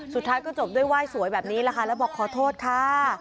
สุดท้ายก็จบด้วยไหว้สวยแบบนี้แหละค่ะแล้วบอกขอโทษค่ะ